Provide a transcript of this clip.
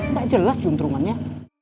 nggak jelas cunturannya